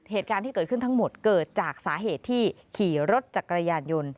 เหตุการณ์ที่เกิดขึ้นทั้งหมดเกิดจากสาเหตุที่ขี่รถจักรยานยนต์